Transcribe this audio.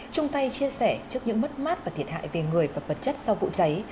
chung tay chia sẻ trước những mất mát và thiệt hại về người và vật chất sau vụ cháy